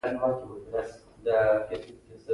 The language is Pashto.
د سهوې اعتراف د بنده شرف دی.